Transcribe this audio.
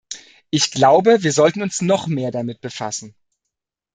Ich glaube, wir sollten uns noch mehr damit befassen.